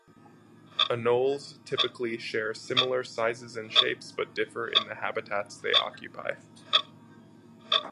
Anoles typically share similar sizes and shapes but differ in the habitats they occupy.